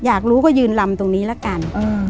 อยากรู้ก็ยืนลำตรงนี้ละกัน